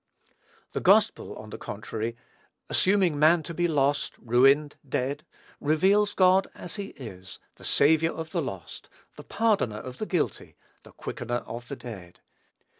The gospel, on the contrary, assuming man to be lost, ruined, dead, reveals God as he is, the Saviour of the lost, the Pardoner of the guilty, the Quickener of the dead.